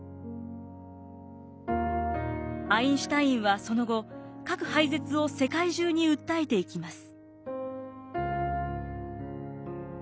アインシュタインはその後核廃絶を世界中に訴えていきます。